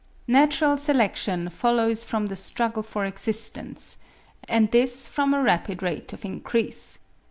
Natural selection follows from the struggle for existence; and this from a rapid rate of increase.